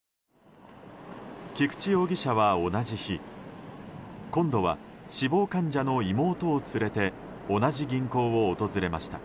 菊池容疑者は同じ日今度は死亡患者の妹を連れて同じ銀行を訪れました。